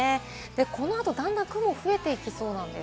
このあと、段々、雲が増えていきそうなんです。